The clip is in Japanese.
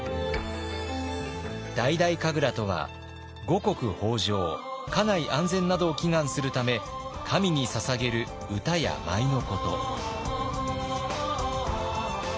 大々神楽とは五穀豊穣家内安全などを祈願するため神にささげる歌や舞のこと。